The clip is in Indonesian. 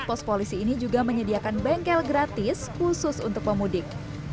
pos polisi ini juga menyediakan bengkel gratis khusus untuk pemudik